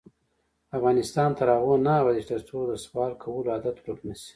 افغانستان تر هغو نه ابادیږي، ترڅو د سوال کولو عادت ورک نشي.